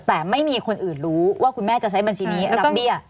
แต่ไม่มีคนอื่นรู้ว่าคุณแม่จะใช้บัญชีนี้รับเบี้ย